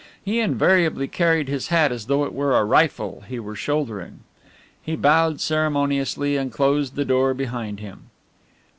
He invariably carried his hat as though it were a rifle he were shouldering. He bowed ceremoniously and closed the door behind him.